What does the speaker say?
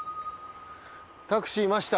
タクシーいました。